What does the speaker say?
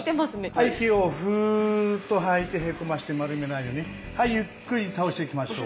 はい息をふっと吐いてへこまして丸めないようにゆっくり倒していきましょう。